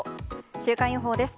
週間予報です。